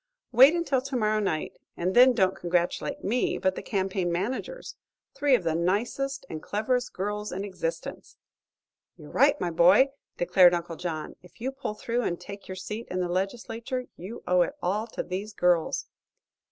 "Wait until tomorrow night; and then don't congratulate me, but the campaign managers three of the nicest and cleverest girls in existence!" "You're right, my boy," declared Uncle John. "If you pull through and take your seat in the Legislature, you'll owe it all to these girls."